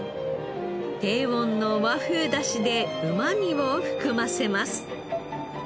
低温の和風だしでうまみを含ませます。